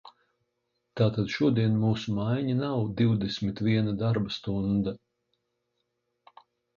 Tātad šodien mūsu maiņa nav divdesmit viena darba stunda.